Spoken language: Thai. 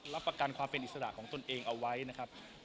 รับประกันความเป็นอิสระของตนเองเอาไว้นะครับ